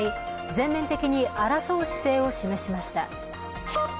全面的に争う姿勢を見せました。